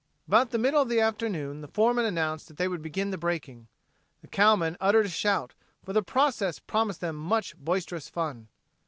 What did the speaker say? About the middle of the afternoon the foreman announced that they would begin the breaking. The cowmen uttered a shout, for the process promised them much boisterous fun.